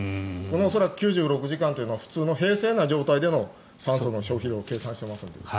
恐らく９６時間というのは平静な状態での酸素の消費量を計算していますので。